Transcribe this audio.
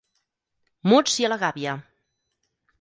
Muts i a la gàbia!